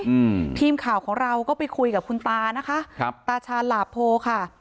อืมทีมข่าวของเราก็ไปคุยกับคุณตานะคะครับตาชาญหลาโพค่ะ